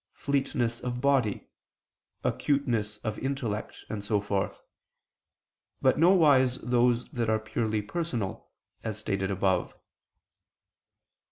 fleetness of body, acuteness of intellect, and so forth; but nowise those that are purely personal, as stated above.